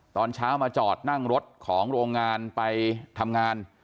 ตอนเช้ามาจอดนั่งรถของโรงงานไปทำงาน